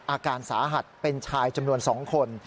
อาการสาหัสเป็นชายจำนวน๒คน